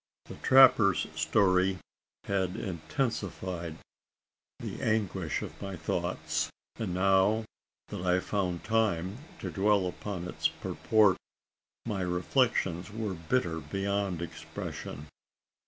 The trapper's story had intensified the anguish of my thoughts; and now, that I found time to dwell upon its purport, my reflections were bitter beyond expression.